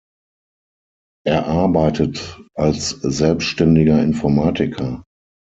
Er arbeitet als selbständiger Informatiker.